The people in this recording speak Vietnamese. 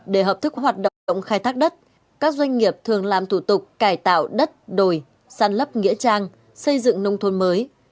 để hợp thức hoạt động khai thác đất các doanh nghiệp thường làm thủ tục cải tạo đất đồi săn lấp nghĩa trang xây dựng nông thôn mới